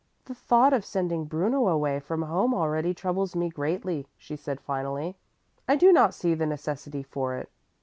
"The thought of sending Bruno away from home already troubles me greatly," she said finally. "I do not see the necessity for it.